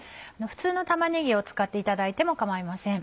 普通の玉ねぎを使っていただいても構いません。